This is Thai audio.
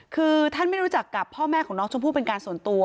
คือท่านไม่รู้จักกับพ่อแม่ของน้องชมพู่เป็นการส่วนตัว